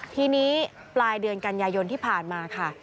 ทีนี้ปลายเดือนกันยายนที่ผ่านมาค่ะ